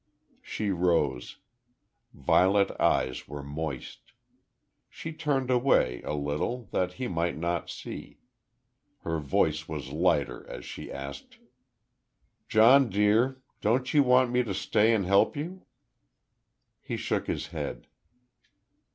She rose. Violet eyes were moist. She turned away, a little, that he might not see. Her voice was lighter as she asked: "John, dear. Don't you want me to stay and help you?" He shook his head.